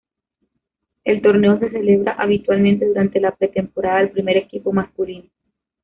El torneo se celebra habitualmente durante la pretemporada del primer equipo masculino.